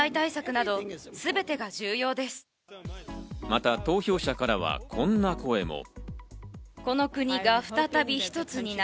また投票者からはこんな声も。